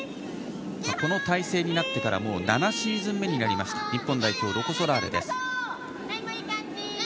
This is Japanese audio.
この体制になってから７シーズン目になりました日本代表ロコ・ソラーレです。